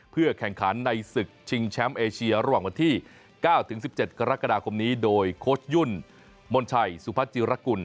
เพื่อแข่งขันในศึกชิงแชมป์เอเชียระหว่างวันที่๙๑๗กรกฎาคมนี้โดยโค้ชยุ่นมนชัยสุพัจิรกุล